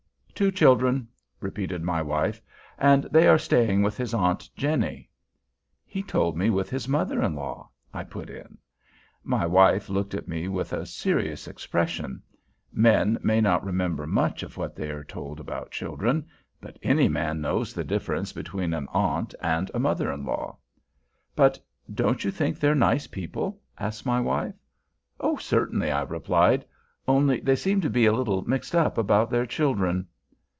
"Two children," repeated my wife; "and they are staying with his aunt Jenny." "He told me with his mother in law," I put in. My wife looked at me with a serious expression. Men may not remember much of what they are told about children; but any man knows the difference between an aunt and a mother in law. "But don't you think they're nice people?" asked my wife. "Oh, certainly," I replied. "Only they seem to be a little mixed up about their children."